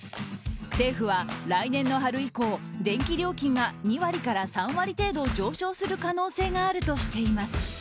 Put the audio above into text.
政府は来年の春以降電気料金が２割から３割程度上昇する可能性があるとしています。